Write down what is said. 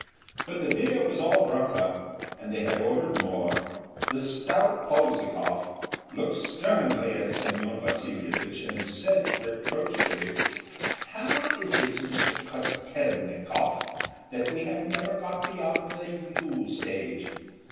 When the beer was all drunk up, and they had ordered more, the stout Polzikov looked sternly at Semyon Vasilyevich, and said reproachfully: "How is it, Mr. Kotel'nikov, that we have never got beyond the "you' stage?